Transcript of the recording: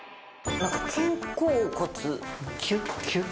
肩甲骨キュッキュッキュッと。